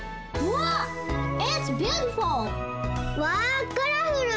わあカラフル！